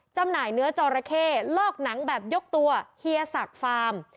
จำหน่ายเนื้อจอราเข้เลิกหนังแบบยกตัวเฮียศักดิ์ฟาร์ม